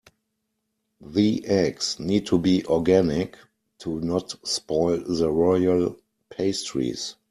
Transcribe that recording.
The eggs need to be organic to not spoil the royal pastries.